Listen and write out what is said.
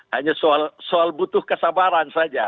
hanya soal butuh kesabaran saja